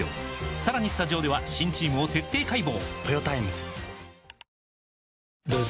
さらにスタジオでは新チームを徹底解剖！